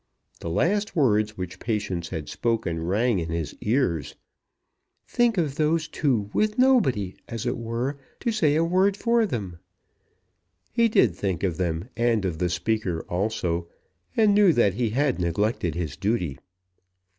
The last words which Patience had spoken rang in his ears, "Think of those two, with nobody, as it were, to say a word for them." He did think of them, and of the speaker also, and knew that he had neglected his duty.